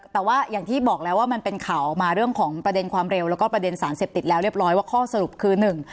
แต่ว่าอย่างที่บอกแล้วว่ามันเป็นข่าวออกมาเรื่องของประเด็นความเร็วแล้วก็ประเด็นสารเสพติดแล้วเรียบร้อยว่าข้อสรุปคือหนึ่ง